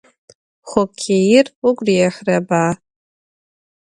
Xokkêir vugu rihıreba?